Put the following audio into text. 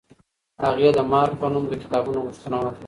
هغې د مهر په نوم د کتابونو غوښتنه وکړه.